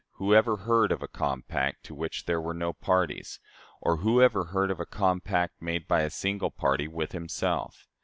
Who ever heard of a compact to which there were no parties? or who ever heard of a compact made by a single party with himself?